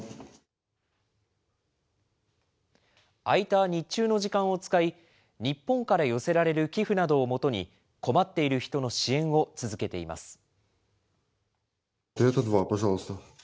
空いた日中の時間を使い、日本から寄せられる寄付などをもとに、困っている人の支援を続けています。